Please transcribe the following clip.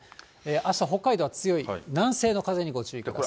あした北海道は強い南西の風にご注意ください。